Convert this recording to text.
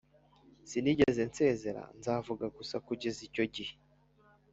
sinigeze nsezera, nzavuga gusa "kugeza icyo gihe.